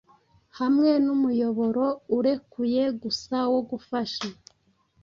hamwe numuyoboro urekuye gusa wo gufasha